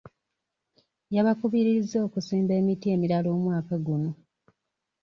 Yabakubirizza okusimba emiti emirala omwaka guno.